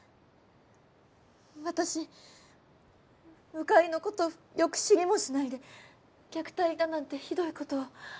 私鵜飼いのことよく知りもしないで虐待だなんてひどいことを。